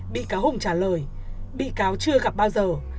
bị cáo hùng trả lời bị cáo chưa gặp bao giờ